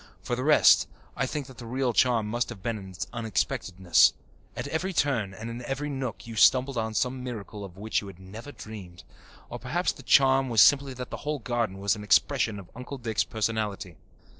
For the rest, I think the real charm must have been in its unexpectedness. At every turn and in every nook you stumbled on some miracle of which you had never dreamed. Or perhaps the charm was simply that the whole garden was an expression of Uncle Dick's personality.